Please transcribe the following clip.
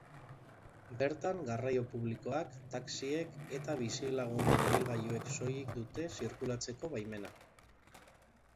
Bertan garraio publikoak, taxiek eta bizilagunen ibilgailuek soilik dute zirkulatzeko baimena.